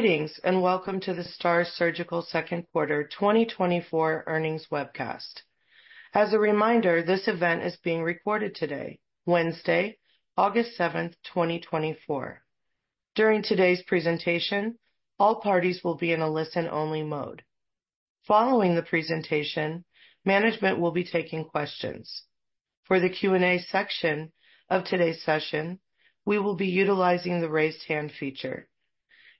...Greetings, and welcome to the STAAR Surgical second quarter 2024 earnings webcast. As a reminder, this event is being recorded today, Wednesday, August 7, 2024. During today's presentation, all parties will be in a listen-only mode. Following the presentation, management will be taking questions. For the Q&A section of today's session, we will be utilizing the Raise Hand feature.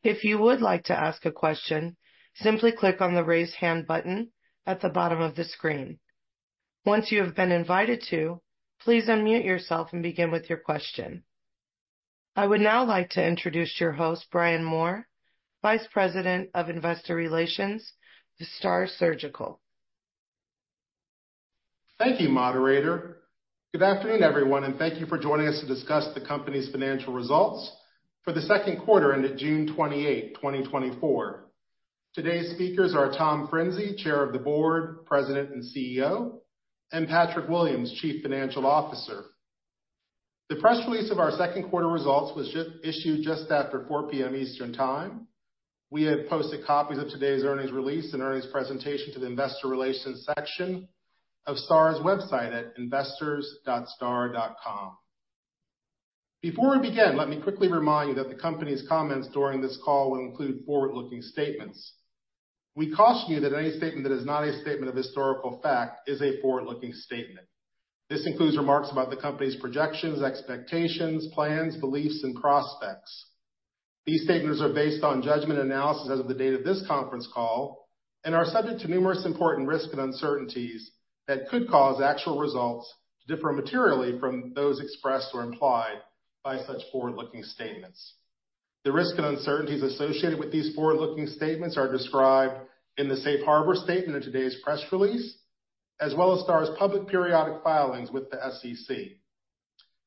If you would like to ask a question, simply click on the Raise Hand button at the bottom of the screen. Once you have been invited to, please unmute yourself and begin with your question. I would now like to introduce your host, Brian Moore, Vice President of Investor Relations to STAAR Surgical. Thank you, moderator. Good afternoon, everyone, and thank you for joining us to discuss the company's financial results for the second quarter ended June 28, 2024. Today's speakers are Tom Frinzi, Chair of the Board, President, and CEO, and Patrick Williams, Chief Financial Officer. The press release of our second quarter results was just issued just after 4 P.M. Eastern Time. We have posted copies of today's earnings release and earnings presentation to the investor relations section of STAAR's website at investors.staar.com. Before we begin, let me quickly remind you that the company's comments during this call will include forward-looking statements. We caution you that any statement that is not a statement of historical fact is a forward-looking statement. This includes remarks about the company's projections, expectations, plans, beliefs, and prospects. These statements are based on judgment and analysis as of the date of this conference call and are subject to numerous important risks and uncertainties that could cause actual results to differ materially from those expressed or implied by such forward-looking statements. The risks and uncertainties associated with these forward-looking statements are described in the Safe Harbor statement in today's press release, as well as STAAR's public periodic filings with the SEC.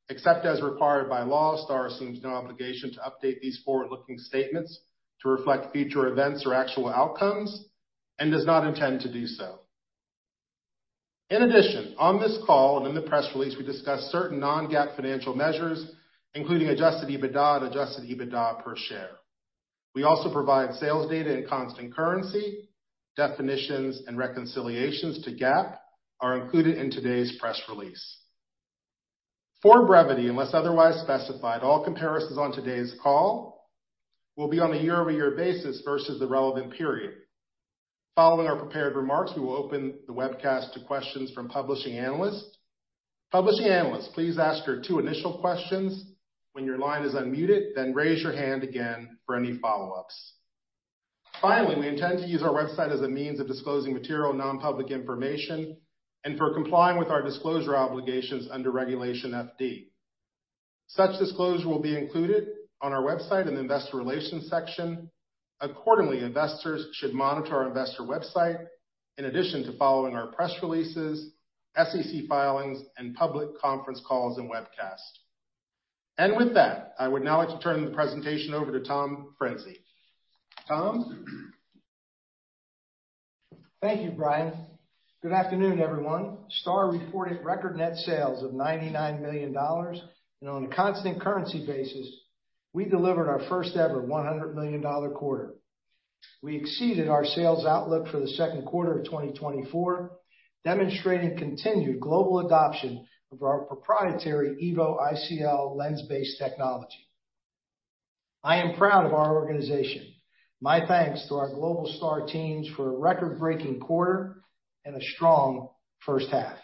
Except as required by law, STAAR assumes no obligation to update these forward-looking statements to reflect future events or actual outcomes and does not intend to do so. In addition, on this call and in the press release, we discuss certain non-GAAP financial measures, including Adjusted EBITDA and Adjusted EBITDA per share. We also provide sales data in constant currency. Definitions and reconciliations to GAAP are included in today's press release. For brevity, unless otherwise specified, all comparisons on today's call will be on a year-over-year basis versus the relevant period. Following our prepared remarks, we will open the webcast to questions from publishing analysts. Publishing analysts, please ask your two initial questions when your line is unmuted, then raise your hand again for any follow-ups. Finally, we intend to use our website as a means of disclosing material non-public information and for complying with our disclosure obligations under Regulation FD. Such disclosure will be included on our website in the investor relations section. Accordingly, investors should monitor our investor website in addition to following our press releases, SEC filings, and public conference calls and webcasts. And with that, I would now like to turn the presentation over to Tom Frinzi. Tom? Thank you, Brian. Good afternoon, everyone. STAAR reported record net sales of $99 million, and on a constant currency basis, we delivered our first-ever $100 million quarter. We exceeded our sales outlook for the second quarter of 2024, demonstrating continued global adoption of our proprietary EVO ICL lens-based technology. I am proud of our organization. My thanks to our global STAAR teams for a record-breaking quarter and a strong first half.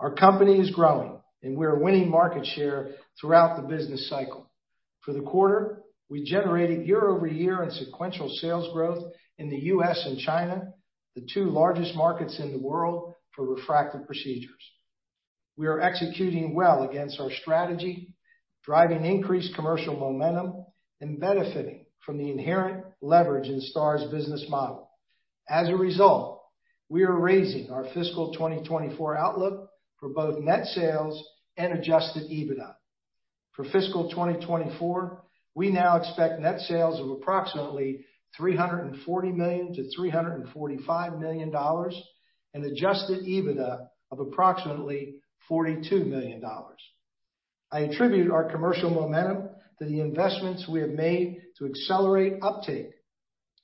Our company is growing, and we are winning market share throughout the business cycle. For the quarter, we generated year-over-year and sequential sales growth in the U.S. and China, the two largest markets in the world for refractive procedures. We are executing well against our strategy, driving increased commercial momentum and benefiting from the inherent leverage in STAAR's business model. As a result, we are raising our fiscal 2024 outlook for both net sales and Adjusted EBITDA. For fiscal 2024, we now expect net sales of approximately $340 million-$345 million and Adjusted EBITDA of approximately $42 million. I attribute our commercial momentum to the investments we have made to accelerate uptake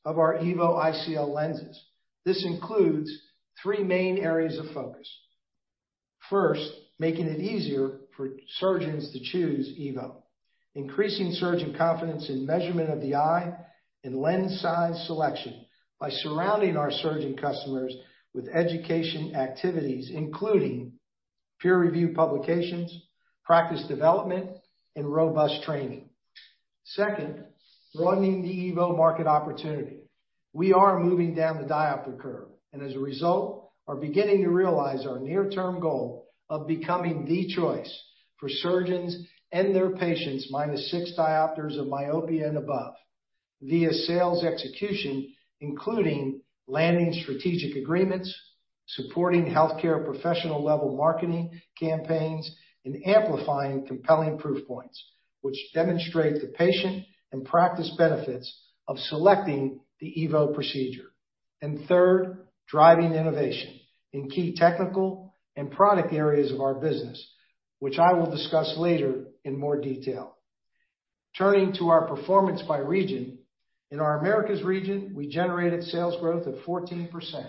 of our EVO ICL lenses. This includes three main areas of focus. First, making it easier for surgeons to choose EVO, increasing surgeon confidence in measurement of the eye and lens size selection by surrounding our surgeon customers with education activities, including peer review publications, practice development, and robust training. Second, broadening the EVO market opportunity. We are moving down the diopter curve, and as a result, are beginning to realize our near-term goal of becoming the choice for surgeons and their patients, -6 diopters of myopia and above, via sales execution, including landing strategic agreements, supporting healthcare professional-level marketing campaigns, and amplifying compelling proof points, which demonstrate the patient and practice benefits of selecting the EVO procedure... and third, driving innovation in key technical and product areas of our business, which I will discuss later in more detail. Turning to our performance by region, in our Americas region, we generated sales growth of 14%,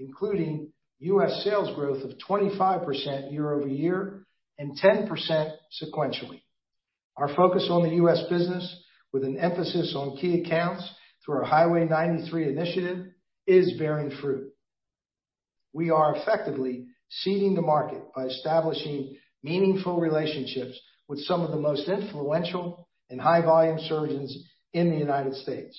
including US sales growth of 25% year-over-year, and 10% sequentially. Our focus on the US business, with an emphasis on key accounts through our Highway 93 initiative, is bearing fruit. We are effectively seeding the market by establishing meaningful relationships with some of the most influential and high-volume surgeons in the United States.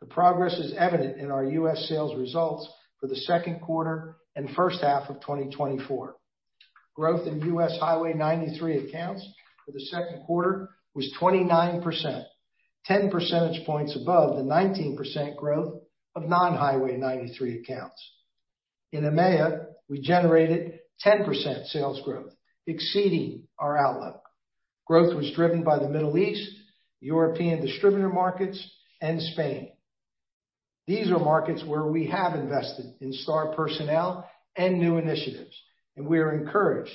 The progress is evident in our US sales results for the second quarter and first half of 2024. Growth in US Highway 93 accounts for the second quarter was 29%, 10 percentage points above the 19% growth of non-Highway 93 accounts. In EMEA, we generated 10% sales growth, exceeding our outlook. Growth was driven by the Middle East, European distributor markets, and Spain. These are markets where we have invested in STAAR personnel and new initiatives, and we are encouraged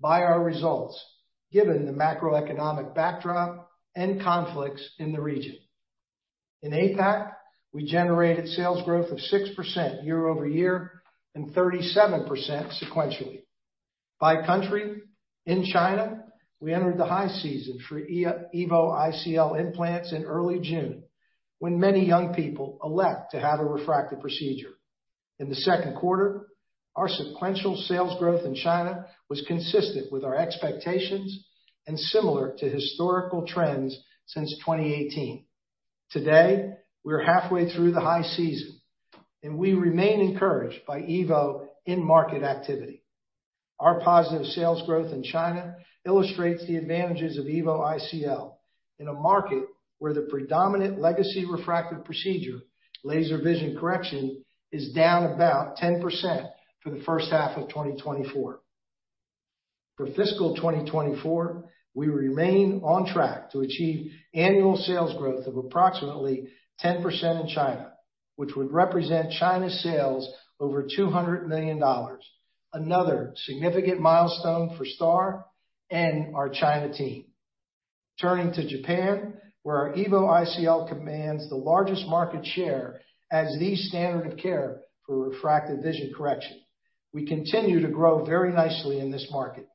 by our results, given the macroeconomic backdrop and conflicts in the region. In APAC, we generated sales growth of 6% year-over-year and 37% sequentially. By country, in China, we entered the high season for EVO ICL implants in early June, when many young people elect to have a refractive procedure. In the second quarter, our sequential sales growth in China was consistent with our expectations and similar to historical trends since 2018. Today, we are halfway through the high season, and we remain encouraged by EVO in-market activity. Our positive sales growth in China illustrates the advantages of EVO ICL in a market where the predominant legacy refractive procedure, laser vision correction, is down about 10% for the first half of 2024. For fiscal 2024, we remain on track to achieve annual sales growth of approximately 10% in China, which would represent China's sales over $200 million, another significant milestone for STAAR and our China team. Turning to Japan, where our EVO ICL commands the largest market share as the standard of care for refractive vision correction, we continue to grow very nicely in this market.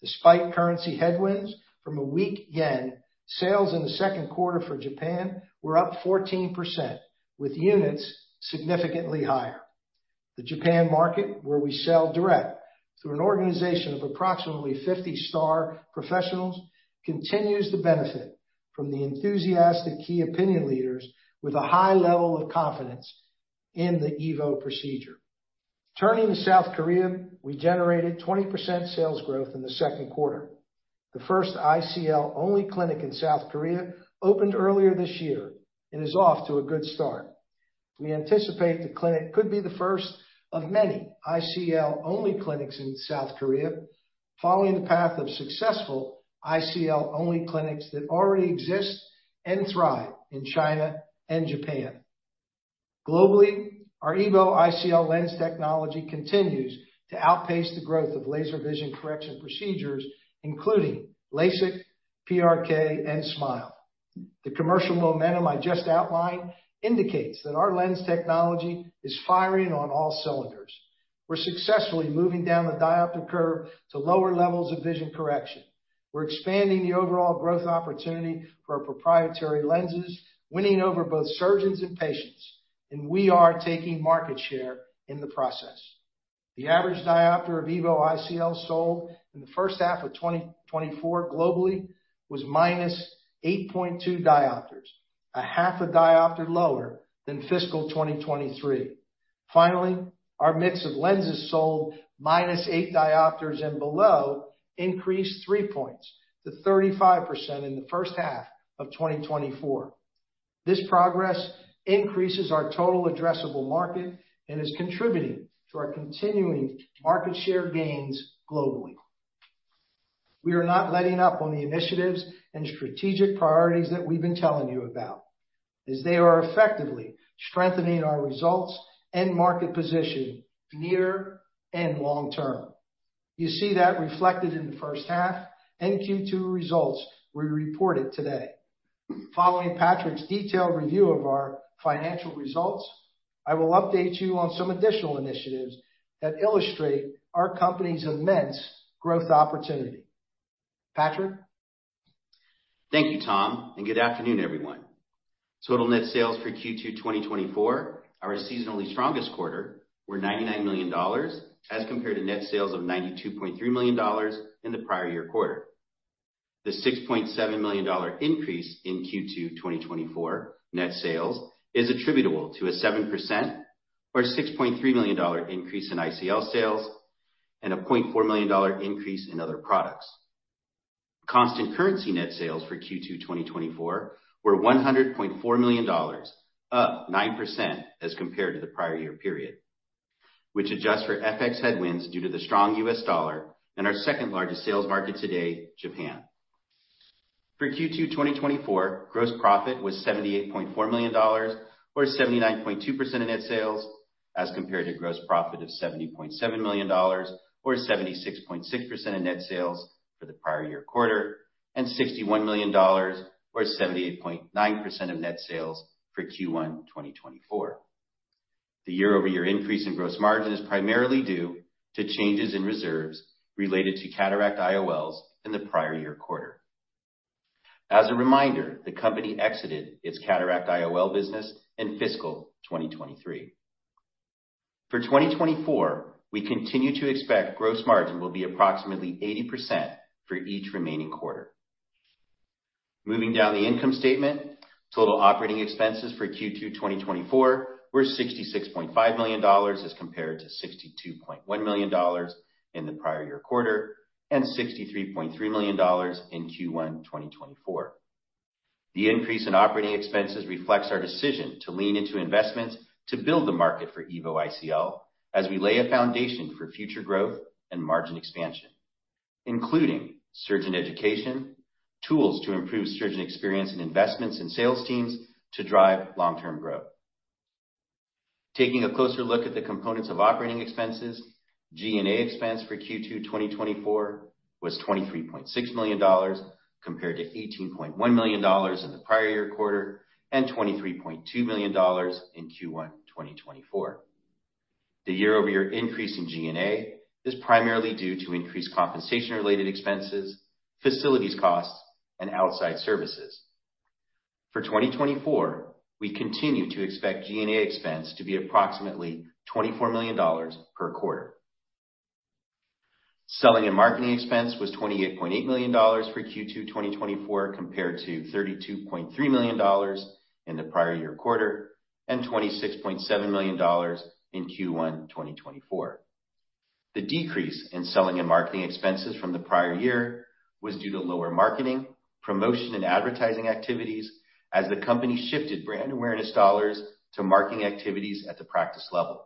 Despite currency headwinds from a weak yen, sales in the second quarter for Japan were up 14%, with units significantly higher. The Japan market, where we sell direct through an organization of approximately 50 STAAR professionals, continues to benefit from the enthusiastic key opinion leaders with a high level of confidence in the EVO procedure. Turning to South Korea, we generated 20% sales growth in the second quarter. The first ICL-only clinic in South Korea opened earlier this year and is off to a good start. We anticipate the clinic could be the first of many ICL-only clinics in South Korea, following the path of successful ICL-only clinics that already exist and thrive in China and Japan. Globally, our EVO ICL lens technology continues to outpace the growth of laser vision correction procedures, including LASIK, PRK, and SMILE. The commercial momentum I just outlined indicates that our lens technology is firing on all cylinders. We're successfully moving down the diopter curve to lower levels of vision correction. We're expanding the overall growth opportunity for our proprietary lenses, winning over both surgeons and patients, and we are taking market share in the process. The average diopter of EVO ICL sold in the first half of 2024 globally was -8.2 diopters, a half a diopter lower than fiscal 2023. Finally, our mix of lenses sold -8 diopters and below increased 3 points to 35% in the first half of 2024. This progress increases our total addressable market and is contributing to our continuing market share gains globally. We are not letting up on the initiatives and strategic priorities that we've been telling you about, as they are effectively strengthening our results and market position near and long term. You see that reflected in the first half, and Q2 results were reported today. Following Patrick's detailed review of our financial results, I will update you on some additional initiatives that illustrate our company's immense growth opportunity. Patrick? Thank you, Tom, and good afternoon, everyone. Total net sales for Q2 2024, our seasonally strongest quarter, were $99 million, as compared to net sales of $92.3 million in the prior year quarter. The $6.7 million increase in Q2 2024 net sales is attributable to a 7%, or $6.3 million increase in ICL sales, and a $0.4 million increase in other products. Constant currency net sales for Q2 2024 were $100.4 million, up 9% as compared to the prior year period, which adjusts for FX headwinds due to the strong US dollar and our second-largest sales market today, Japan. For Q2 2024, gross profit was $78.4 million, or 79.2% of net sales, as compared to gross profit of $70.7 million, or 76.6% of net sales for the prior year quarter, and $61 million or 78.9% of net sales for Q1 2024. The year-over-year increase in gross margin is primarily due to changes in reserves related to cataract IOLs in the prior year quarter. As a reminder, the company exited its cataract IOL business in fiscal 2023. For 2024, we continue to expect gross margin will be approximately 80% for each remaining quarter. Moving down the income statement, total operating expenses for Q2 2024 were $66.5 million, as compared to $62.1 million in the prior year quarter, and $63.3 million in Q1 2024. The increase in operating expenses reflects our decision to lean into investments to build the market for EVO ICL, as we lay a foundation for future growth and margin expansion, including surgeon education, tools to improve surgeon experience, and investments in sales teams to drive long-term growth. Taking a closer look at the components of operating expenses, G&A expense for Q2 2024 was $23.6 million, compared to $18.1 million in the prior year quarter, and $23.2 million in Q1 2024. The year-over-year increase in G&A is primarily due to increased compensation-related expenses, facilities costs, and outside services. For 2024, we continue to expect G&A expense to be approximately $24 million per quarter. Selling and marketing expense was $28.8 million for Q2 2024, compared to $32.3 million in the prior year quarter, and $26.7 million in Q1 2024. The decrease in selling and marketing expenses from the prior year was due to lower marketing, promotion, and advertising activities as the company shifted brand awareness dollars to marketing activities at the practice level.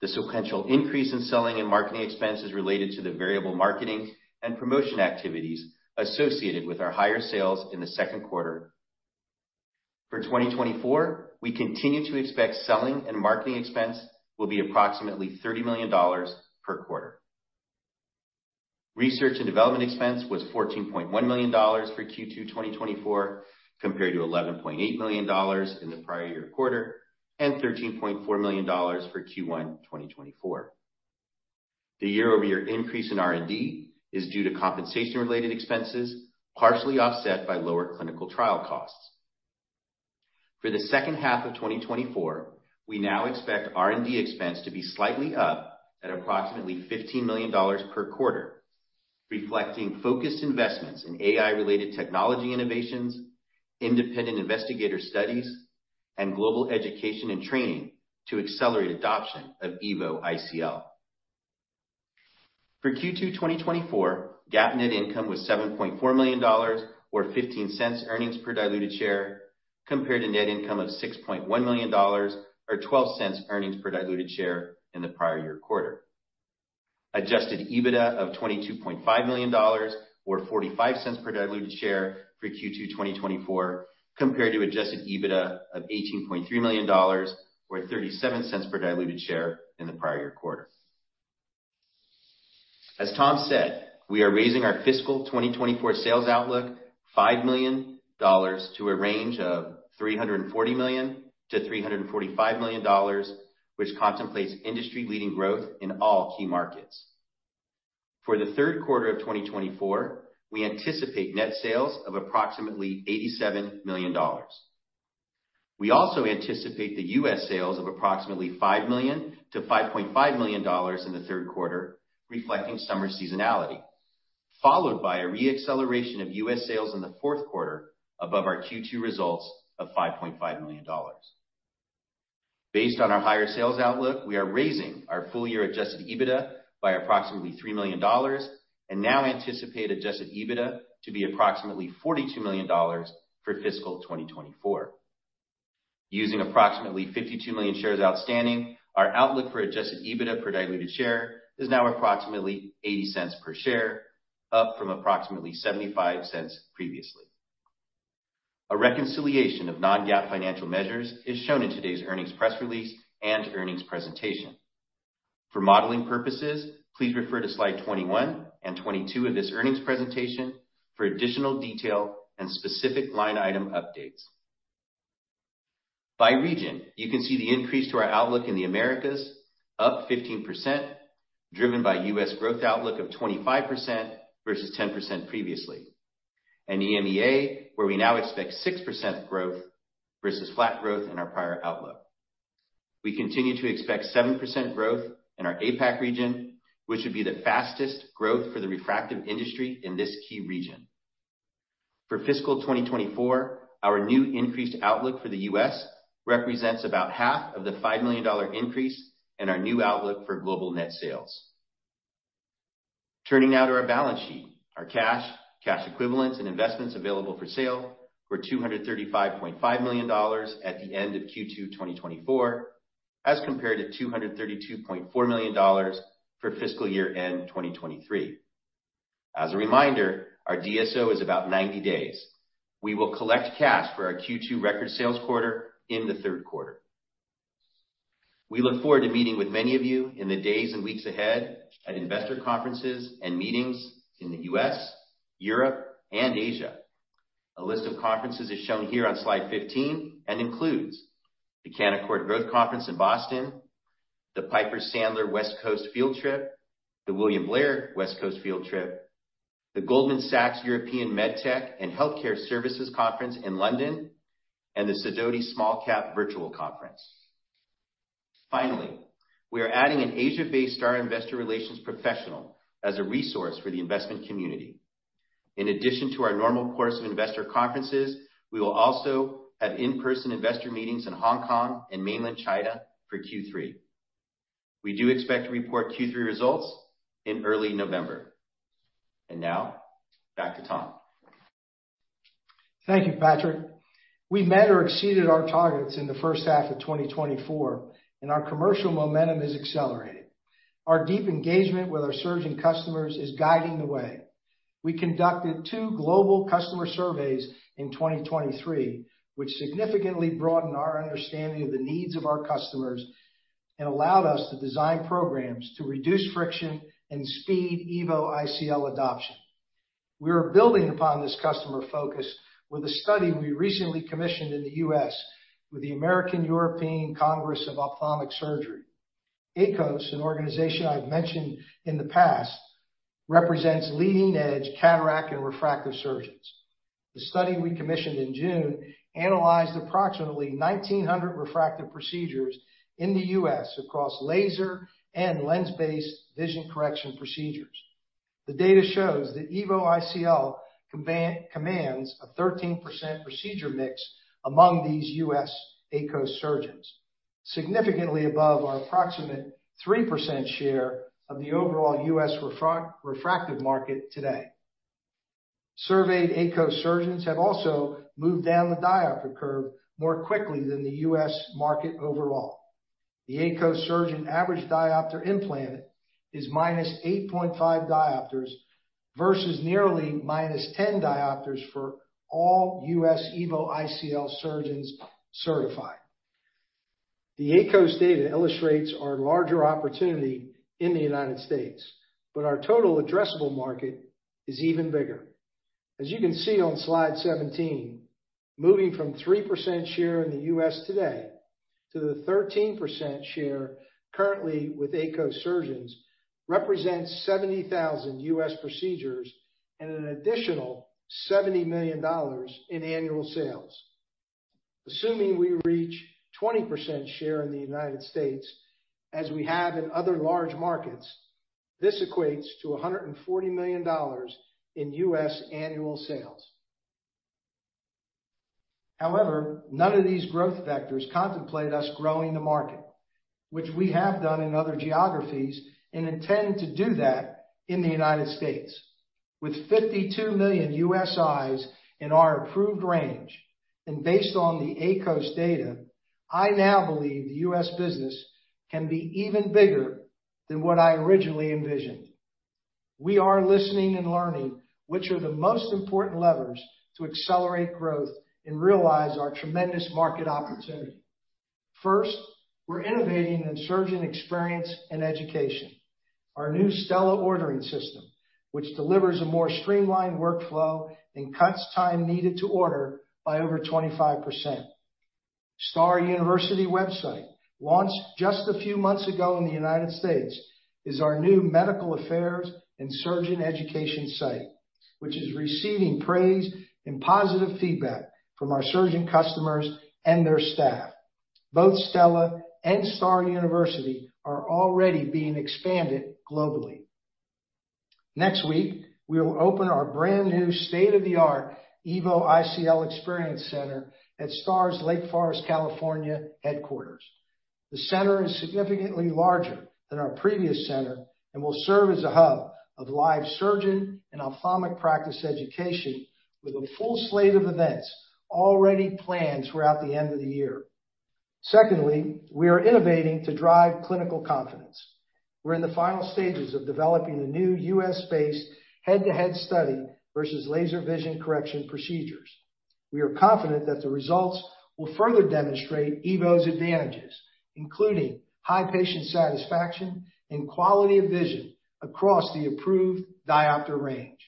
The sequential increase in selling and marketing expense is related to the variable marketing and promotion activities associated with our higher sales in the second quarter. For 2024, we continue to expect selling and marketing expense will be approximately $30 million per quarter. Research and development expense was $14.1 million for Q2 2024, compared to $11.8 million in the prior year quarter, and $13.4 million for Q1 2024. The year-over-year increase in R&D is due to compensation-related expenses, partially offset by lower clinical trial costs. For the second half of 2024, we now expect R&D expense to be slightly up at approximately $15 million per quarter, reflecting focused investments in AI-related technology innovations, independent investigator studies, and global education and training to accelerate adoption of EVO ICL. For Q2 2024, GAAP net income was $7.4 million or $0.15 earnings per diluted share, compared to net income of $6.1 million or $0.12 earnings per diluted share in the prior year quarter. Adjusted EBITDA of $22.5 million, or $0.45 per diluted share for Q2 2024, compared to adjusted EBITDA of $18.3 million or $0.37 per diluted share in the prior year quarter. As Tom said, we are raising our fiscal 2024 sales outlook $5 million to a range of $340 million-$345 million, which contemplates industry-leading growth in all key markets. For the third quarter of 2024, we anticipate net sales of approximately $87 million. We also anticipate the U.S. sales of approximately $5 million-$5.5 million in the third quarter, reflecting summer seasonality, followed by a re-acceleration of U.S. sales in the fourth quarter above our Q2 results of $5.5 million. Based on our higher sales outlook, we are raising our full year Adjusted EBITDA by approximately $3 million, and now anticipate Adjusted EBITDA to be approximately $42 million for fiscal 2024. Using approximately 52 million shares outstanding, our outlook for Adjusted EBITDA per diluted share is now approximately $0.80 per share, up from approximately $0.75 previously. A reconciliation of non-GAAP financial measures is shown in today's earnings press release and earnings presentation. For modeling purposes, please refer to slide 21 and 22 of this earnings presentation for additional detail and specific line item updates. By region, you can see the increase to our outlook in the Americas, up 15%, driven by U.S. growth outlook of 25% versus 10% previously. EMEA, where we now expect 6% growth versus flat growth in our prior outlook. We continue to expect 7% growth in our APAC region, which would be the fastest growth for the refractive industry in this key region. For fiscal 2024, our new increased outlook for the U.S. represents about half of the $5 million increase in our new outlook for global net sales. Turning now to our balance sheet. Our cash, cash equivalents, and investments available for sale were $235.5 million at the end of Q2 2024, as compared to $232.4 million for fiscal year-end 2023. As a reminder, our DSO is about 90 days. We will collect cash for our Q2 record sales quarter in the third quarter. We look forward to meeting with many of you in the days and weeks ahead at investor conferences and meetings in the U.S., Europe, and Asia. A list of conferences is shown here on slide 15 and includes the Canaccord Growth Conference in Boston, the Piper Sandler West Coast Field Trip, the William Blair West Coast Field Trip, the Goldman Sachs European MedTech and Healthcare Services Conference in London, and the Sidoti Small Cap Virtual Conference. Finally, we are adding an Asia-based STAAR investor relations professional as a resource for the investment community. In addition to our normal course of investor conferences, we will also have in-person investor meetings in Hong Kong and mainland China for Q3. We do expect to report Q3 results in early November. And now, back to Tom. Thank you, Patrick. We met or exceeded our targets in the first half of 2024, and our commercial momentum is accelerating. Our deep engagement with our surgeon customers is guiding the way. We conducted two global customer surveys in 2023, which significantly broadened our understanding of the needs of our customers and allowed us to design programs to reduce friction and speed EVO ICL adoption. We are building upon this customer focus with a study we recently commissioned in the US with the American-European Congress of Ophthalmic Surgery. AECOS, an organization I've mentioned in the past, represents leading-edge cataract and refractive surgeons. The study we commissioned in June analyzed approximately 1,900 refractive procedures in the US across laser and lens-based vision correction procedures. The data shows that EVO ICL commands a 13% procedure mix among these US AECOS surgeons, significantly above our approximate 3% share of the overall US refractive market today. Surveyed AECOS surgeons have also moved down the diopter curve more quickly than the US market overall. The AECOS surgeon average diopter implanted is -8.5 diopters versus nearly -10 diopters for all US EVO ICL surgeons certified. The AECOS data illustrates our larger opportunity in the United States, but our total addressable market is even bigger. As you can see on slide 17, moving from 3% share in the US today to the 13% share currently with AECOS surgeons, represents 70,000 US procedures and an additional $70 million in annual sales. Assuming we reach 20% share in the United States, as we have in other large markets, this equates to $140 million in US annual sales. However, none of these growth vectors contemplate us growing the market, which we have done in other geographies and intend to do that in the United States. With 52 million U.S. eyes in our approved range, and based on the AECOS data, I now believe the U.S. business can be even bigger than what I originally envisioned. We are listening and learning, which are the most important levers to accelerate growth and realize our tremendous market opportunity. First, we're innovating in surgeon experience and education. Our new Stella ordering system, which delivers a more streamlined workflow and cuts time needed to order by over 25%. STAAR University website, launched just a few months ago in the United States, is our new medical affairs and surgeon education site, which is receiving praise and positive feedback from our surgeon customers and their staff. Both Stella and STAAR University are already being expanded globally. Next week, we will open our brand new state-of-the-art EVO ICL Experience Center at STAAR's Lake Forest, California, headquarters. The center is significantly larger than our previous center and will serve as a hub of live surgeon and ophthalmic practice education, with a full slate of events already planned throughout the end of the year. Secondly, we are innovating to drive clinical confidence. We're in the final stages of developing a new U.S.-based head-to-head study versus laser vision correction procedures. We are confident that the results will further demonstrate EVO's advantages, including high patient satisfaction and quality of vision across the approved diopter range.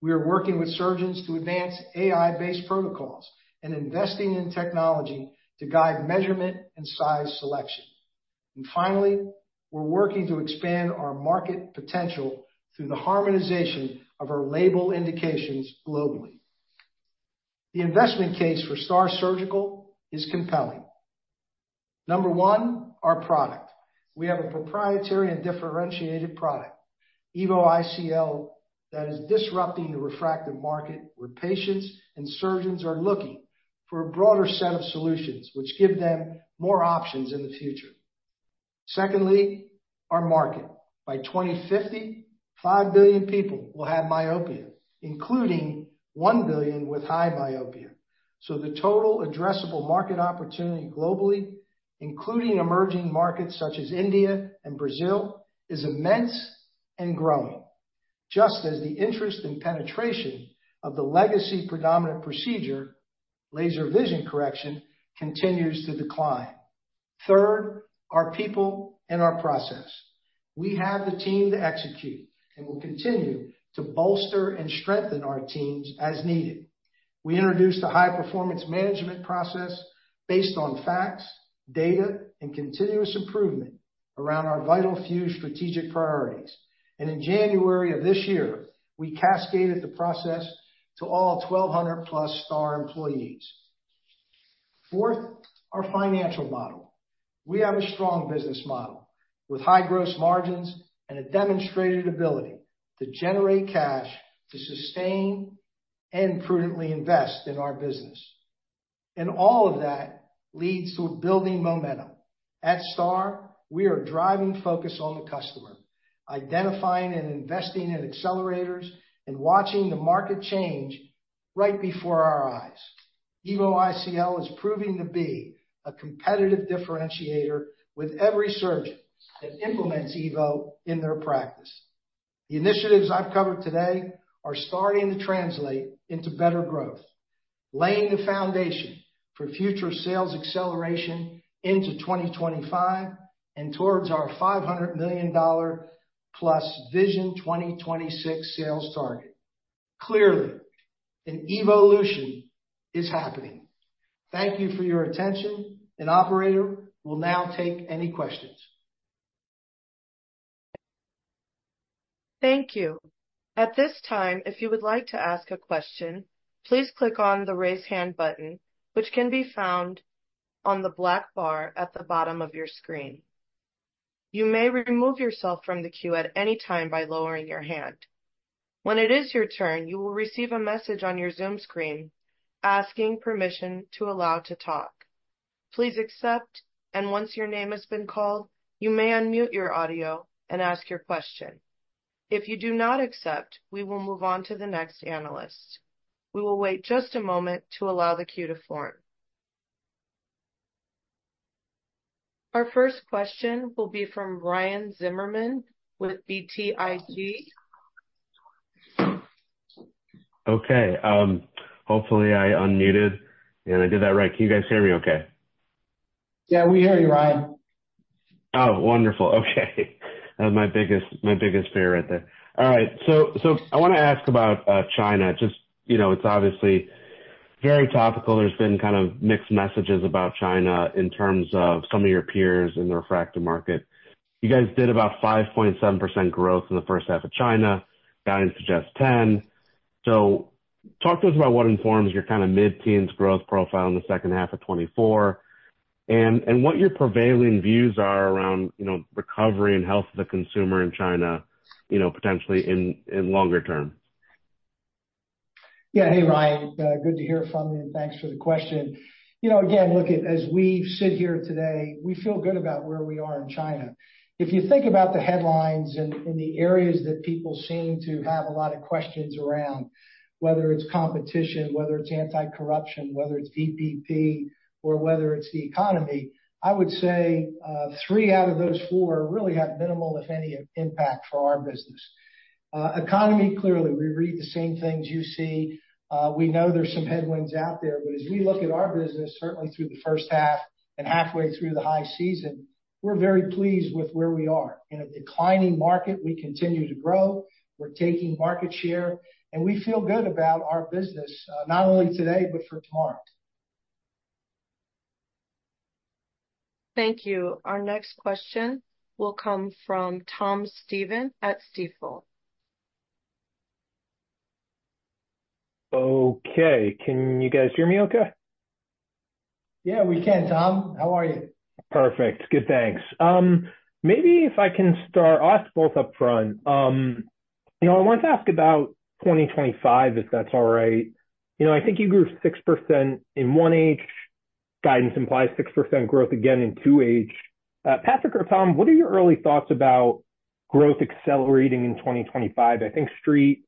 We are working with surgeons to advance AI-based protocols and investing in technology to guide measurement and size selection. And finally, we're working to expand our market potential through the harmonization of our label indications globally. The investment case for STAAR Surgical is compelling. Number one, our product. We have a proprietary and differentiated product, EVO ICL, that is disrupting the refractive market, where patients and surgeons are looking for a broader set of solutions, which give them more options in the future. Secondly, our market. By 2050, 5 billion people will have myopia, including 1 billion with high myopia. So the total addressable market opportunity globally, including emerging markets such as India and Brazil, is immense and growing, just as the interest and penetration of the legacy predominant procedure, laser vision correction, continues to decline. Third, our people and our process. We have the team to execute, and we'll continue to bolster and strengthen our teams as needed. We introduced a high performance management process based on facts, data, and continuous improvement around our vital few strategic priorities. In January of this year, we cascaded the process to all 1,200+ STAAR employees. Fourth, our financial model. We have a strong business model with high gross margins and a demonstrated ability to generate cash to sustain and prudently invest in our business, and all of that leads to building momentum. At STAAR, we are driving focus on the customer, identifying and investing in accelerators, and watching the market change right before our eyes. EVO ICL is proving to be a competitive differentiator with every surgeon that implements EVO in their practice. The initiatives I've covered today are starting to translate into better growth, laying the foundation for future sales acceleration into 2025 and towards our $500 million+ Vision 2026 sales target. Clearly, an EVOlution is happening. Thank you for your attention. Operator, we'll now take any questions. Thank you. At this time, if you would like to ask a question, please click on the Raise Hand button, which can be found on the black bar at the bottom of your screen. You may remove yourself from the queue at any time by lowering your hand. When it is your turn, you will receive a message on your Zoom screen asking permission to allow to talk. Please accept, and once your name has been called, you may unmute your audio and ask your question. If you do not accept, we will move on to the next analyst. We will wait just a moment to allow the queue to form. Our first question will be from Ryan Zimmerman, with BTIG. Okay, hopefully I unmuted, and I did that right. Can you guys hear me okay? Yeah, we hear you, Ryan. Oh, wonderful. Okay. That was my biggest, my biggest fear right there. All right. So I want to ask about China. Just, you know, it's obviously very topical. There's been kind of mixed messages about China in terms of some of your peers in the refractive market. You guys did about 5.7% growth in the first half in China, guidance suggests 10%. So talk to us about what informs your kind of mid-teens% growth profile in the second half of 2024, and what your prevailing views are around, you know, recovery and health of the consumer in China, you know, potentially in longer term. Yeah. Hey, Ryan, good to hear from you, and thanks for the question. You know, again, look, as we sit here today, we feel good about where we are in China. If you think about the headlines and the areas that people seem to have a lot of questions around, whether it's competition, whether it's anti-corruption, whether it's VBP or whether it's the economy, I would say three out of those four really have minimal, if any, impact for our business. Economy, clearly, we read the same things you see. We know there's some headwinds out there, but as we look at our business, certainly through the first half and halfway through the high season, we're very pleased with where we are. In a declining market, we continue to grow, we're taking market share, and we feel good about our business, not only today, but for tomorrow. Thank you. Our next question will come from Thomas Stephan at Stifel. Okay. Can you guys hear me okay? Yeah, we can, Tom. How are you? Perfect. Good, thanks. Maybe if I can start us both up front. You know, I want to ask about 2025, if that's all right. You know, I think you grew 6% in 2024, guidance implies 6% growth again in 2025. Patrick or Tom, what are your early thoughts about growth accelerating in 2025? I think Street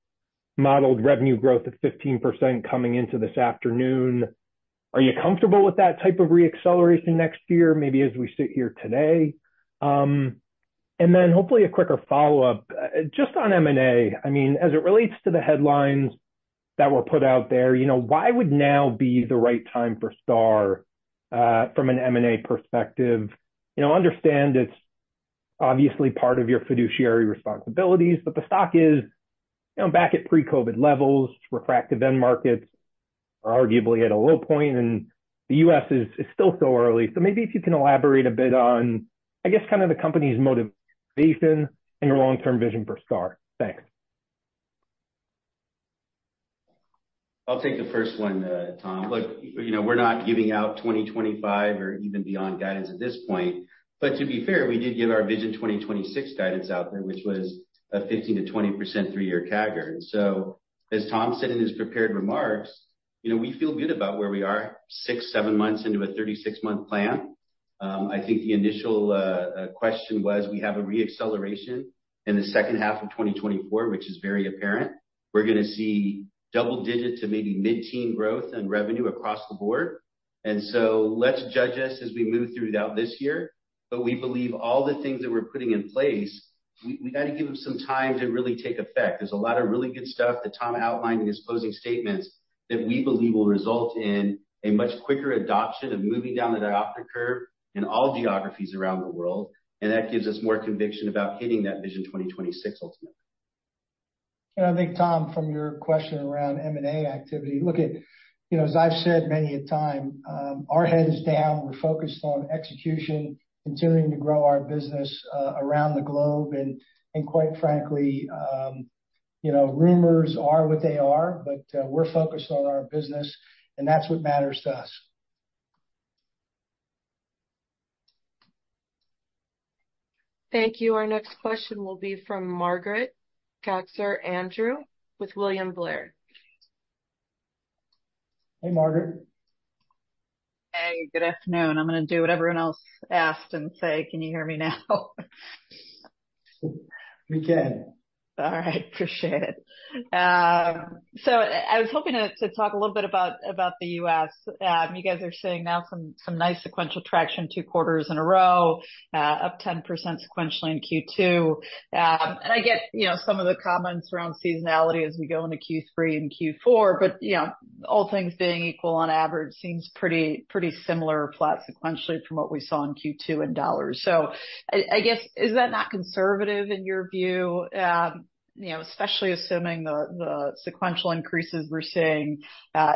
modeled revenue growth of 15% coming into this afternoon. Are you comfortable with that type of re-acceleration next year, maybe as we sit here today? And then hopefully a quicker follow-up, just on M&A. I mean, as it relates to the headlines that were put out there, you know, why would now be the right time for STAAR, from an M&A perspective? You know, I understand it's obviously part of your fiduciary responsibilities, but the stock is, you know, back at pre-COVID levels. Refractive end markets are arguably at a low point, and the U.S. is still so early. So maybe if you can elaborate a bit on, I guess, kind of the company's motivation and your long-term vision for STAAR. Thanks. I'll take the first one, Tom. Look, you know, we're not giving out 2025 or even beyond guidance at this point, but to be fair, we did give our Vision 2026 guidance out there, which was a 15%-20% three-year CAGR. So as Tom said in his prepared remarks. You know, we feel good about where we are, six, seven months into a 36-month plan. I think the initial question was, we have a reacceleration in the second half of 2024, which is very apparent. We're gonna see double digits to maybe mid-teen growth in revenue across the board. And so let's judge us as we move throughout this year. But we believe all the things that we're putting in place, we got to give them some time to really take effect. There's a lot of really good stuff that Tom outlined in his closing statements that we believe will result in a much quicker adoption of moving down the diopter curve in all geographies around the world, and that gives us more conviction about hitting that Vision 2026 ultimately. I think, Tom, from your question around M&A activity, look at, you know, as I've said many a time, our head is down. We're focused on execution, continuing to grow our business around the globe. And quite frankly, you know, rumors are what they are, but we're focused on our business, and that's what matters to us. Thank you. Our next question will be from Margaret Kaczor Andrew, with William Blair. Hey, Margaret. Hey, good afternoon. I'm gonna do what everyone else asked and say, can you hear me now? We can. All right. Appreciate it. So I was hoping to talk a little bit about the US. You guys are seeing now some nice sequential traction, two quarters in a row, up 10% sequentially in Q2. And I get, you know, some of the comments around seasonality as we go into Q3 and Q4, but, you know, all things being equal on average, seems pretty similar, flat sequentially from what we saw in Q2 in dollars. So I guess, is that not conservative in your view? You know, especially assuming the sequential increases we're seeing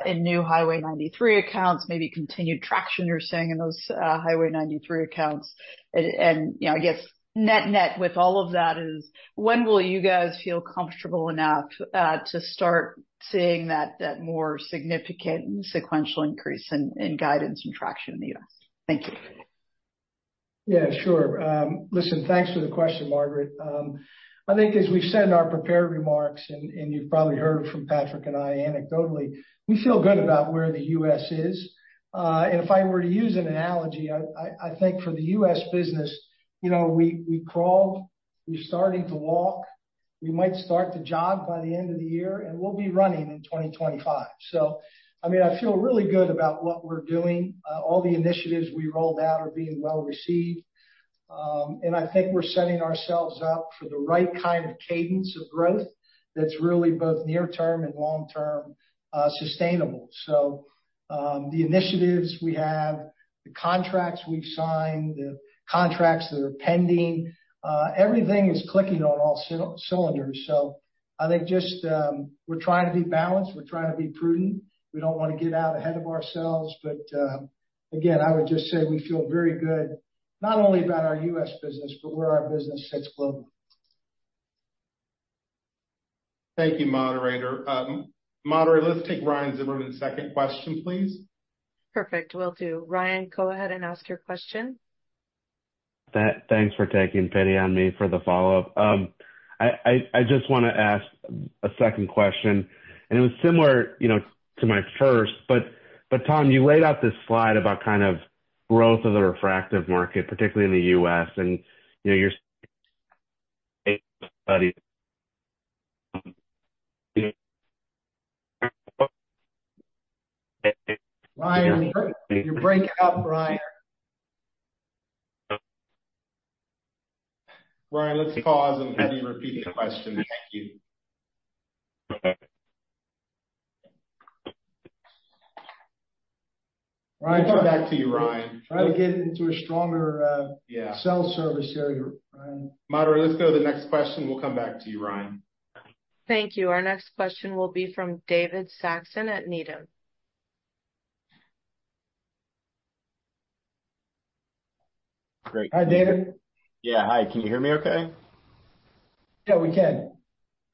in new Highway 93 accounts, maybe continued traction you're seeing in those Highway 93 accounts. you know, I guess net-net, with all of that is, when will you guys feel comfortable enough to start seeing that, that more significant sequential increase in, in guidance and traction in the US? Thank you. Yeah, sure. Listen, thanks for the question, Margaret. I think as we said in our prepared remarks, and you've probably heard from Patrick and I, anecdotally, we feel good about where the US is. And if I were to use an analogy, I think for the US business, you know, we crawled, we're starting to walk. We might start to jog by the end of the year, and we'll be running in 2025. So, I mean, I feel really good about what we're doing. All the initiatives we rolled out are being well received. And I think we're setting ourselves up for the right kind of cadence of growth that's really both near-term and long-term, sustainable. So, the initiatives we have, the contracts we've signed, the contracts that are pending, everything is clicking on all cylinders. So I think just, we're trying to be balanced. We're trying to be prudent. We don't want to get out ahead of ourselves, but, again, I would just say we feel very good, not only about our U.S. business, but where our business sits globally. Thank you, moderator. Moderator, let's take Ryan Zimmerman's second question, please. Perfect. Will do. Ryan, go ahead and ask your question. Thanks for taking pity on me for the follow-up. I just want to ask a second question, and it was similar, you know, to my first. But, Tom, you laid out this slide about kind of growth of the refractive market, particularly in the U.S. And, you know, your Ryan, you're breaking up, Ryan. Ryan, let's pause and have you repeat the question. Thank you. Okay. We'll come back to you, Ryan. Try to get into a stronger, Yeah... cell service area, Ryan. Moderator, let's go to the next question. We'll come back to you, Ryan. Thank you. Our next question will be from David Saxon at Needham. Great. Hi, David. Yeah. Hi, can you hear me okay? Yeah, we can.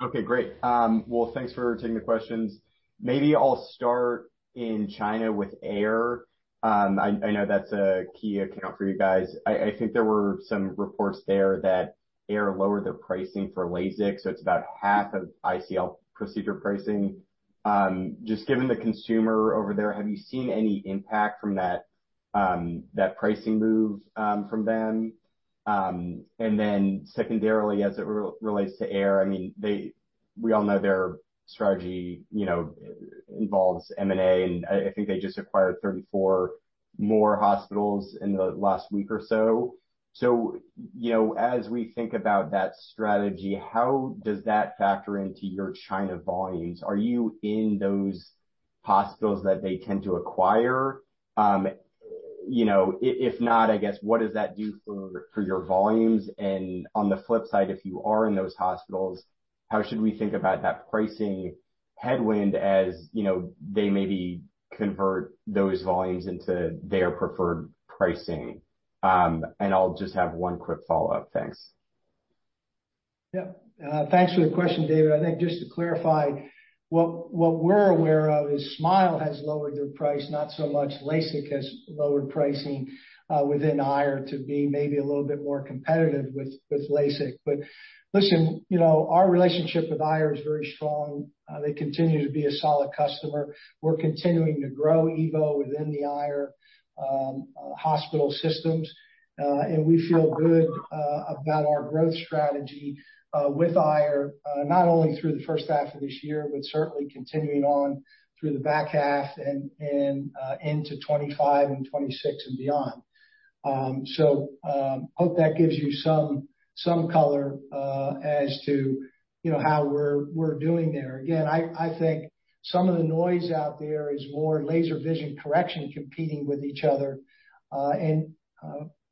Okay, great. Well, thanks for taking the questions. Maybe I'll start in China with Aier. I know that's a key account for you guys. I think there were some reports there that Aier lowered their pricing for LASIK, so it's about half of ICL procedure pricing. Just given the consumer over there, have you seen any impact from that pricing move from them? And then secondarily, as it relates to Aier, I mean, they, we all know their strategy, you know, involves M&A, and I think they just acquired 34 more hospitals in the last week or so. So, you know, as we think about that strategy, how does that factor into your China volumes? Are you in those hospitals that they tend to acquire? If not, I guess, what does that do for your volumes? On the flip side, if you are in those hospitals, how should we think about that pricing headwind, as you know, they maybe convert those volumes into their preferred pricing? I'll just have one quick follow-up. Thanks.... Yep, thanks for the question, David. I think just to clarify, what we're aware of is SMILE has lowered their price, not so much LASIK has lowered pricing within Aier to be maybe a little bit more competitive with LASIK. But listen, you know, our relationship with Aier is very strong. They continue to be a solid customer. We're continuing to grow EVO within the Aier hospital systems. And we feel good about our growth strategy with Aier not only through the first half of this year, but certainly continuing on through the back half and into 2025 and 2026 and beyond. So, hope that gives you some color as to, you know, how we're doing there. Again, I think some of the noise out there is more laser vision correction competing with each other. And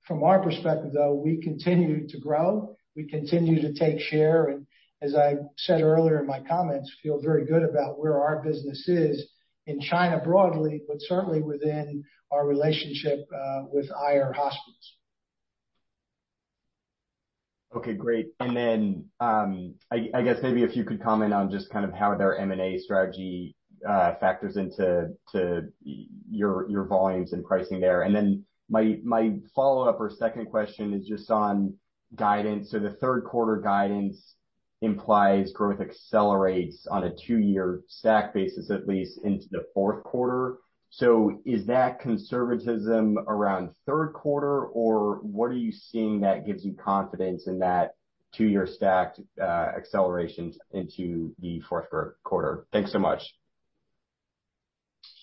from our perspective, though, we continue to grow, we continue to take share, and as I said earlier in my comments, feel very good about where our business is in China broadly, but certainly within our relationship with Aier Hospitals. Okay, great. And then, I guess maybe if you could comment on just kind of how their M&A strategy factors into your volumes and pricing there. And then my follow-up or second question is just on guidance. So the third quarter guidance implies growth accelerates on a two-year stack basis, at least into the fourth quarter. So is that conservatism around third quarter, or what are you seeing that gives you confidence in that two-year stacked accelerations into the fourth quarter? Thanks so much.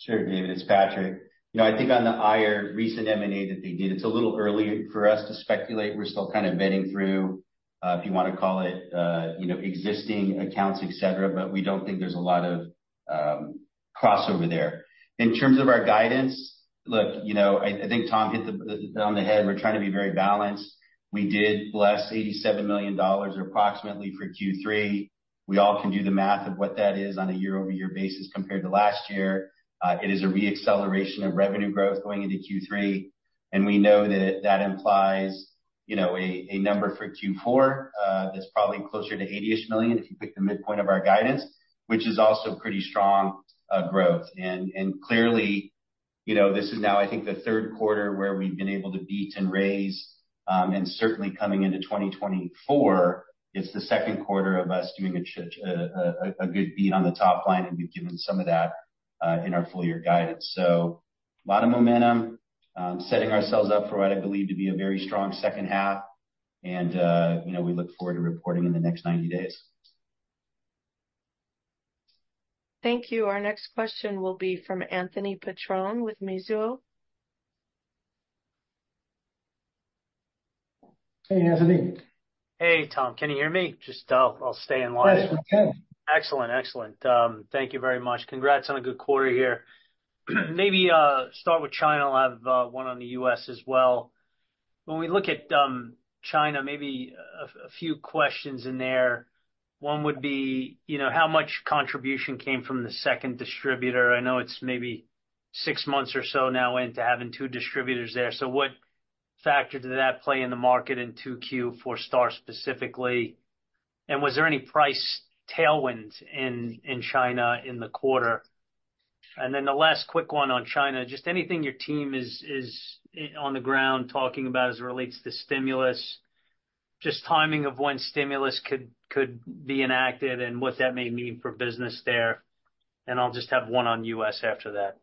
Sure, David, it's Patrick. You know, I think on the Aier recent M&A that they did, it's a little early for us to speculate. We're still kind of vetting through, if you wanna call it, you know, existing accounts, et cetera, but we don't think there's a lot of, crossover there. In terms of our guidance, look, you know, I think Tom hit the nail on the head, we're trying to be very balanced. We did less $87 million, approximately, for Q3. We all can do the math of what that is on a year-over-year basis compared to last year. It is a re-acceleration of revenue growth going into Q3, and we know that that implies, you know, a number for Q4. That's probably closer to $80-ish million, if you pick the midpoint of our guidance, which is also pretty strong growth. And clearly, you know, this is now, I think, the third quarter where we've been able to beat and raise, and certainly coming into 2024, it's the second quarter of us doing a good beat on the top line, and we've given some of that in our full year guidance. So a lot of momentum, setting ourselves up for what I believe to be a very strong second half, and you know, we look forward to reporting in the next 90 days. Thank you. Our next question will be from Anthony Petrone with Mizuho. Hey, Anthony. Hey, Tom. Can you hear me? Just, I'll stay in line. Yes, I can. Excellent, excellent. Thank you very much. Congrats on a good quarter here. Maybe start with China, I'll have one on the US as well. When we look at China, maybe a few questions in there. One would be, you know, how much contribution came from the second distributor? I know it's maybe six months or so now into having two distributors there, so what factor did that play in the market in 2Q for STAAR specifically? And was there any price tailwinds in China in the quarter? And then the last quick one on China, just anything your team is on the ground talking about as it relates to stimulus, just timing of when stimulus could be enacted and what that may mean for business there. And I'll just have one on US after that.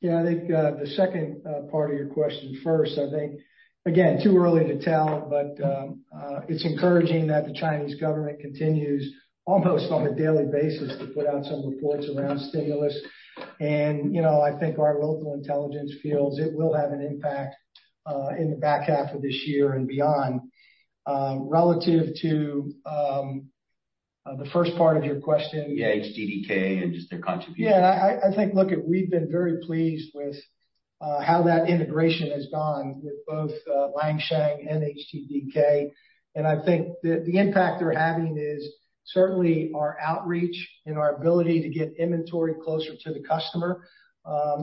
Yeah, I think, the second part of your question first. I think, again, too early to tell, but, it's encouraging that the Chinese government continues, almost on a daily basis, to put out some reports around stimulus. And, you know, I think our local intelligence feels it will have an impact, in the back half of this year and beyond. Relative to, the first part of your question- Yeah, HDDK and just their contribution. Yeah, I think, look, we've been very pleased with how that integration has gone with both Lansheng and C&D. And I think the impact they're having is certainly our outreach and our ability to get inventory closer to the customer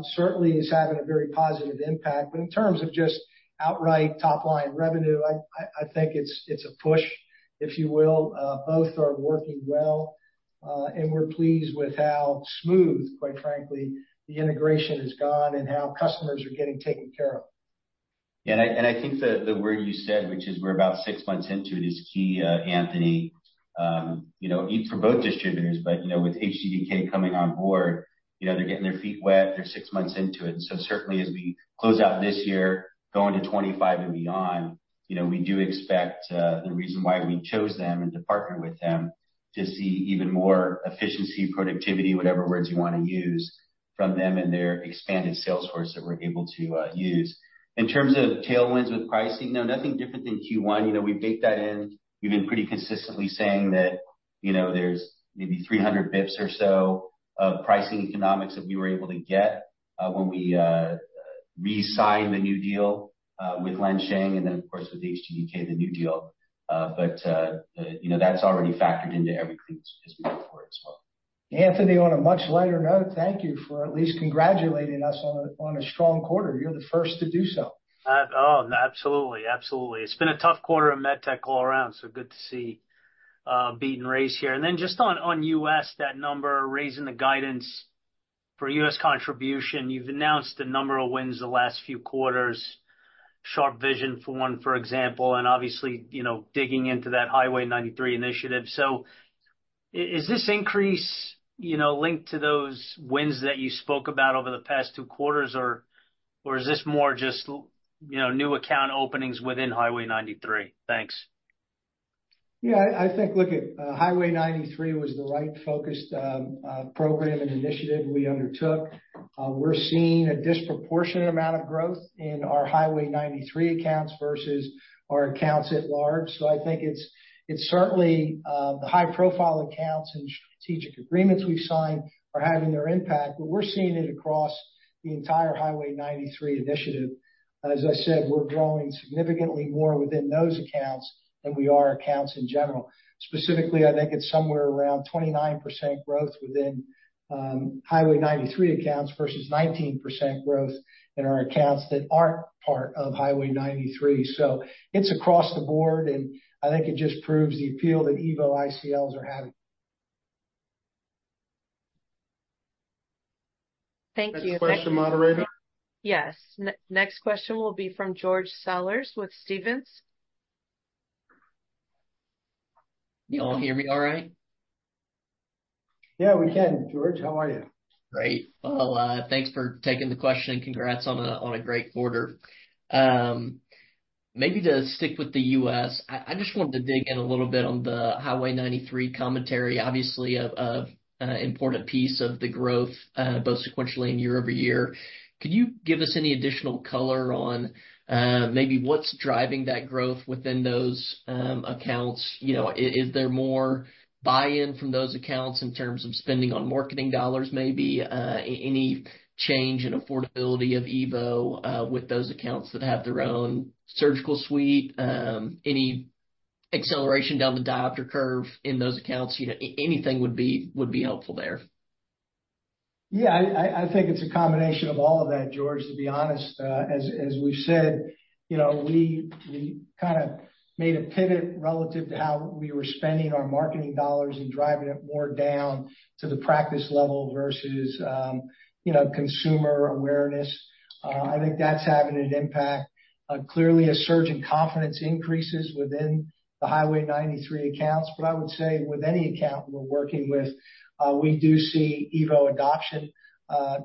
certainly is having a very positive impact. But in terms of just outright top-line revenue, I think it's a push, if you will. Both are working well, and we're pleased with how smooth, quite frankly, the integration has gone and how customers are getting taken care of. Yeah, and I think the word you said, which is we're about six months into it, is key, Anthony. You know, for both distributors, but you know, with HDDK coming on board, you know, they're getting their feet wet. They're six months into it. And so certainly as we close out this year, going to 25 and beyond, you know, we do expect the reason why we chose them and to partner with them, to see even more efficiency, productivity, whatever words you wanna use, from them and their expanded sales force that we're able to use. In terms of tailwinds with pricing, no, nothing different than Q1. You know, we baked that in. We've been pretty consistently saying that, you know, there's maybe 300 basis points or so of pricing economics that we were able to get when we re-signed the new deal with Lansheng, and then, of course, with C&D, the new deal. But, you know, that's already factored into everything as we move forward as well.... Anthony, on a much lighter note, thank you for at least congratulating us on a strong quarter. You're the first to do so. Oh, absolutely, absolutely. It's been a tough quarter in MedTech all around, so good to see beating rates here. And then just on U.S., that number, raising the guidance for U.S. contribution. You've announced a number of wins the last few quarters, SharpeVision for one, for example, and obviously, you know, digging into that Highway 93 initiative. So is this increase, you know, linked to those wins that you spoke about over the past two quarters, or is this more just, you know, new account openings within Highway 93? Thanks. Yeah, I think look at Highway 93 was the right focused program and initiative we undertook. We're seeing a disproportionate amount of growth in our Highway 93 accounts versus our accounts at large. So I think it's certainly the high profile accounts and strategic agreements we've signed are having their impact, but we're seeing it across the entire Highway 93 initiative. As I said, we're growing significantly more within those accounts than we are accounts in general. Specifically, I think it's somewhere around 29% growth within Highway 93 accounts versus 19% growth in our accounts that aren't part of Highway 93. So it's across the board, and I think it just proves the appeal that EVO ICLs are having. Thank you. Next question, moderator? Yes. Next question will be from George Sellers with Stephens. You all hear me all right? Yeah, we can. George, how are you? Great. Well, thanks for taking the question, and congrats on a great quarter. Maybe to stick with the U.S., I just wanted to dig in a little bit on the Highway 93 commentary, obviously, an important piece of the growth, both sequentially and year over year. Could you give us any additional color on, maybe what's driving that growth within those accounts? You know, is there more buy-in from those accounts in terms of spending on marketing dollars, maybe, any change in affordability of EVO, with those accounts that have their own surgical suite? Any acceleration down the diopter curve in those accounts? You know, anything would be, would be helpful there. Yeah, I think it's a combination of all of that, George, to be honest. As we've said, you know, we kind of made a pivot relative to how we were spending our marketing dollars and driving it more down to the practice level versus, you know, consumer awareness. I think that's having an impact. Clearly, a surge in confidence increases within the Highway 93 accounts, but I would say with any account we're working with, we do see EVO adoption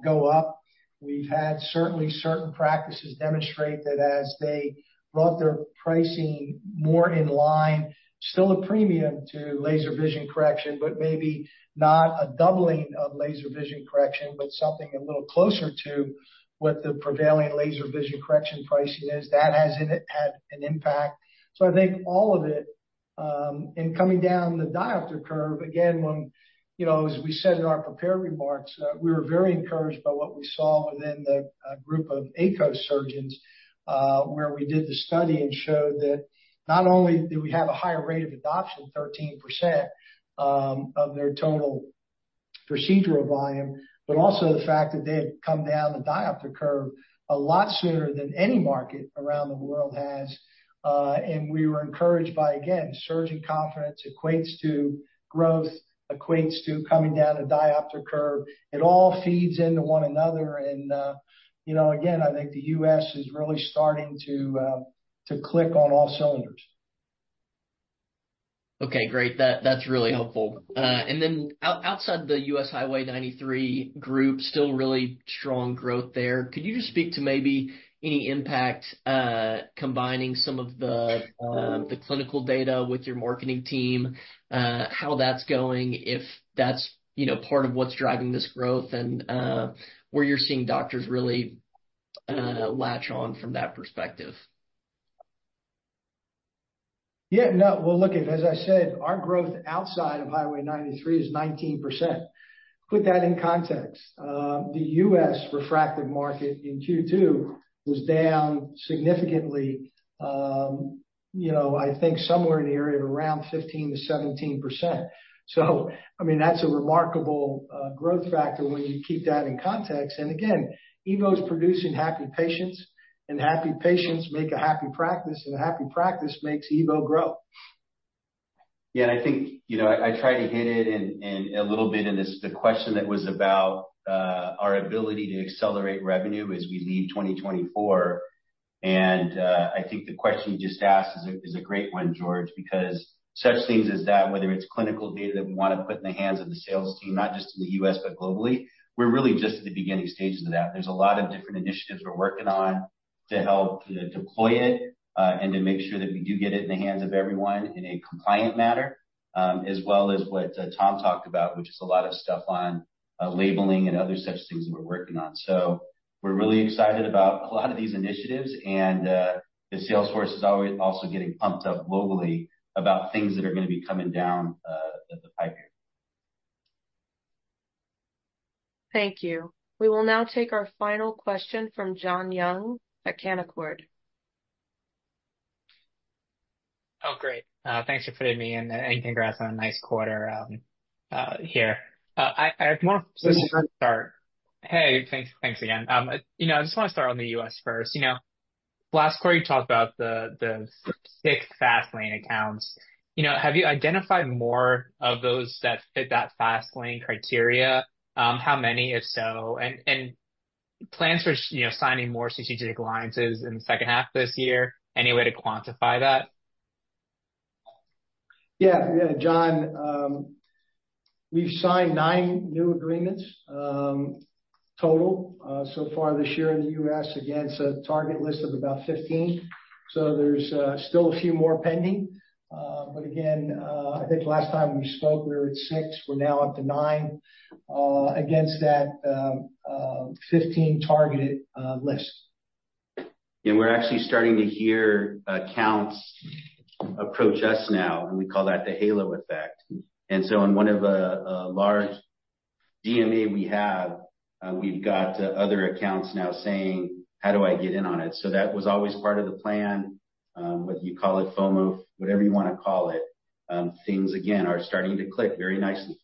go up. We've had certainly certain practices demonstrate that as they brought their pricing more in line, still a premium to laser vision correction, but maybe not a doubling of laser vision correction, but something a little closer to what the prevailing laser vision correction pricing is. That has had an impact. So I think all of it... Coming down the diopter curve, again, when you know, as we said in our prepared remarks, we were very encouraged by what we saw within the group of AECOS surgeons, where we did the study and showed that not only did we have a higher rate of adoption, 13% of their total procedural volume, but also the fact that they had come down the diopter curve a lot sooner than any market around the world has. And we were encouraged by, again, surgeon confidence equates to growth, equates to coming down a diopter curve. It all feeds into one another, and you know, again, I think the US is really starting to click on all cylinders. Okay, great. That, that's really helpful. And then outside the U.S. Highway 93 group, still really strong growth there. Could you just speak to maybe any impact, combining some of the, the clinical data with your marketing team, how that's going, if that's, you know, part of what's driving this growth, and, where you're seeing doctors really, latch on from that perspective? Yeah, no. Well, look, as I said, our growth outside of Highway 93 is 19%. Put that in context, the U.S. refractive market in Q2 was down significantly, you know, I think somewhere in the area of around 15%-17%. So, I mean, that's a remarkable growth factor when you keep that in context. And again, EVO's producing happy patients, and happy patients make a happy practice, and a happy practice makes EVO grow. Yeah, I think, you know, I tried to hit it in a little bit in the question that was about our ability to accelerate revenue as we leave 2024. I think the question you just asked is a great one, George, because such things as that, whether it's clinical data that we want to put in the hands of the sales team, not just in the U.S., but globally, we're really just at the beginning stages of that. There's a lot of different initiatives we're working on to help, you know, deploy it and to make sure that we do get it in the hands of everyone in a compliant manner, as well as what Tom talked about, which is a lot of stuff on labeling and other such things that we're working on. We're really excited about a lot of these initiatives, and the sales force is always also getting pumped up globally about things that are gonna be coming down the pipeline. Thank you. We will now take our final question from John Young at Canaccord. Oh, great. Thanks for putting me in, and congrats on a nice quarter, here. I have more-... Hey, thanks. Thanks again. You know, I just want to start on the U.S. first. You know, last quarter, you talked about the, the six Fast Lane accounts. You know, have you identified more of those that fit that Fast Lane criteria? How many, if so, and plans for, you know, signing more strategic alliances in the second half of this year, any way to quantify that? Yeah. Yeah, John, we've signed nine new agreements, total, so far this year in the U.S. against a target list of about 15. There's still a few more pending. Again, I think last time we spoke, we were at six, we're now up to nine, against that 15 targeted list. We're actually starting to hear accounts approach us now, and we call that the halo effect. So in one of the large DMA we have, we've got other accounts now saying: How do I get in on it? That was always part of the plan, whether you call it FOMO, whatever you wanna call it, things again are starting to click very nicely for us.